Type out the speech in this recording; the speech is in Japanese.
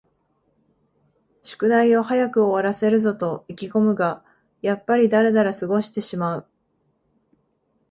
宿題を早く終わらせるぞと意気ごむが、やっぱりだらだら過ごしてしまう